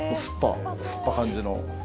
酸っぱい感じの。